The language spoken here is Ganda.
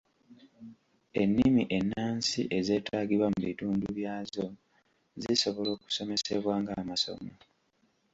Ennimi ennansi ezeetaagibwa mu bitundu byazo zisobola okusomesebwa ng’amasomo.